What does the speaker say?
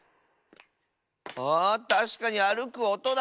あたしかにあるくおとだ。